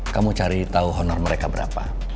kamu cari tahu honor mereka berapa